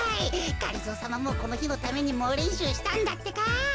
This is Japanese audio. がりぞーさまもこのひのためにもうれんしゅうしたんだってか。